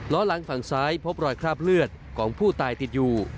ล้อหลังฝั่งซ้ายพบรอยคราบเลือดของผู้ตายติดอยู่